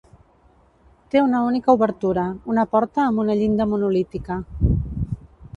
Té una única obertura, una porta amb una llinda monolítica.